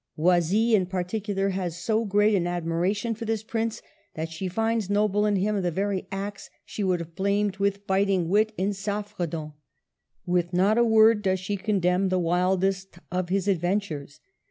Oisille in particular has so great an admira tion for this prince that she finds noble in him the very acts she would have blamed with biting wit in Saffredant. With not a word does she condemn the wildest of his adventures.